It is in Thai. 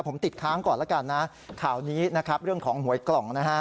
ผมติดค้างก่อนแล้วกันนะข่าวนี้นะครับเรื่องของหวยกล่องนะฮะ